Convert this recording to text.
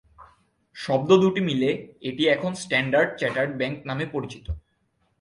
শব্দ দুটি মিলে এটি এখন স্ট্যান্ডার্ড চার্টার্ড ব্যাংক নামে পরিচিত।